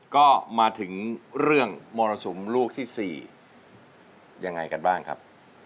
ก็มาถึงเรื่องมรสุมลูกที่๔ยังไงกันบ้างครับ